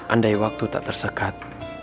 andai waktu tak tersekat